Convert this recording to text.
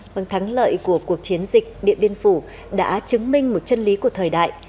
vâng thắng lợi của cuộc chiến dịch điện biên phủ đã chứng minh một chân lý của thời đại